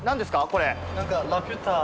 これ。